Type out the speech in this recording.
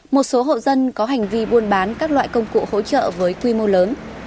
một số hộ dân có hành vi buôn bán các loại công cụ hỗ trợ với quy mô lớn